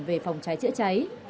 về phòng cháy chữa cháy